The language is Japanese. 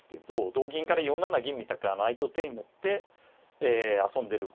同銀から４七銀みたく相手の手に乗って遊んでる